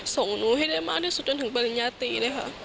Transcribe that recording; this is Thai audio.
ส่งหนูให้ได้มากที่สุดจนถึงปริญญาตรีเลยค่ะ